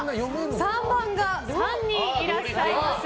３番が３人いらっしゃいます。